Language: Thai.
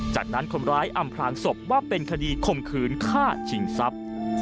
จากนั้นคนร้ายอำพลางศพว่าเป็นคดีข่มขืนฆ่าชิงทรัพย์